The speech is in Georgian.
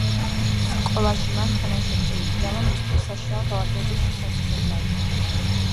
სკოლაში მან თანაშემწე იქირავა მისთვის საშინაო დავალებების შესასრულებლად.